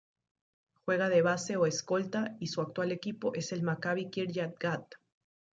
Juega de base o escolta y su actual equipo es el Maccabi Kiryat Gat.